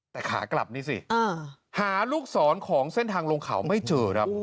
แต่ขากลับนี่สิหาลูกศรของเส้นทางโรงข่าวไม่เจอ